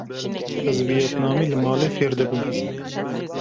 Ez viyetnamî li malê fêr dibim.